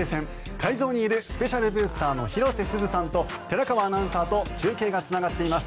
会場にいるスペシャルブースターの広瀬すずさんと寺川アナウンサーと中継がつながっています。